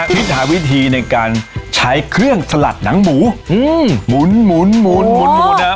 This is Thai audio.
พิษหาวิธีในการใช้เครื่องสลัดหนังหมูอืมหมุนหมุนหมุนหมุนหมุนหมุนนะครับ